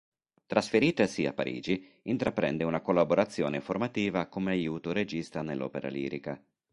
Trasferitasi a Parigi intraprende una collaborazione formativa come aiuto regista nell'opera lirica.